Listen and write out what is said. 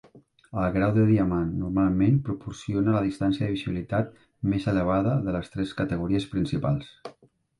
El grau de diamant normalment proporciona la distància de visibilitat més elevada de les tres categories principals.